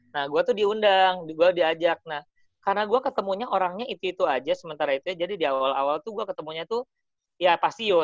nah gue tuh diundang gue diajak nah karena gue ketemunya orangnya itu itu aja sementara itu ya jadi di awal awal tuh gue ketemunya tuh ya pasti you